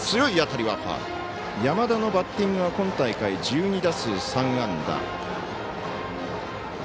山田のバッティングは今大会、１２打数３安打。